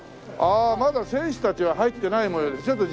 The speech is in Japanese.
ああまだ選手たちは入ってない模様です。